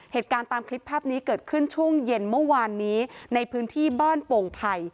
เหตุการณ์ตามคลิปภาพนี้เกิดขึ้นช่วงเย็นเมื่อวานนี้ในพื้นที่บ้านโป่งไผ่